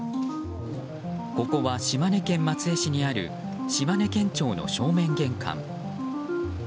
ここは、島根県松江市にある島根県庁の正面玄関。